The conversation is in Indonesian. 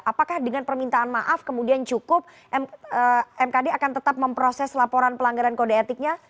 apakah dengan permintaan maaf kemudian cukup mkd akan tetap memproses laporan pelanggaran kode etiknya